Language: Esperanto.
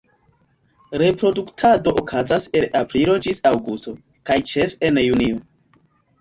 Reproduktado okazas el aprilo ĝis aŭgusto, kaj ĉefe en junio.